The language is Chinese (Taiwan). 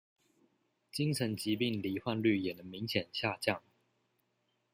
精神疾病罹患率也能明顯下降